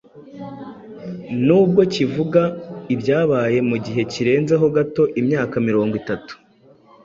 Nubwo kivuga ibyabaye mu gihe kirenze ho gato imyaka mirongo itatu,